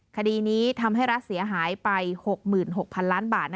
คดีนี้ทำให้รัฐเสียหายไป๖๖๐๐๐ล้านบาท